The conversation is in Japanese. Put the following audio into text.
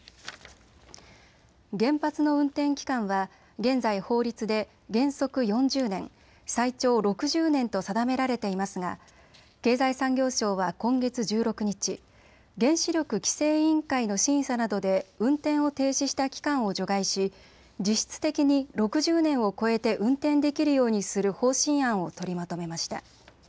原発の運転期間は現在、法律で原則４０年、最長６０年と定められていますが経済産業省は今月１６日、原子力規制委員会の審査などで運転を停止した期間を除外し実質的に６０年を超えて運転できるようにする方針案を取りまとめました。